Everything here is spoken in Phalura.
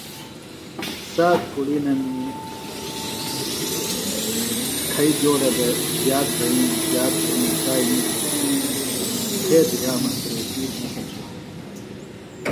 سات کُڑینمی کھئیۡ جولہ دےۡ زیات بھئیِم زیات بھئیِم تائی نِگرو تھےۡ دھُیامہ اڅھریتی نسل شروۡ